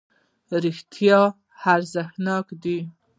رښتیا ارزښتناکه ده.